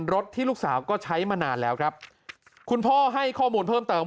รถที่ลูกสาวก็ใช้มานานแล้วครับคุณพ่อให้ข้อมูลเพิ่มเติม